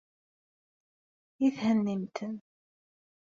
I thennim-ten?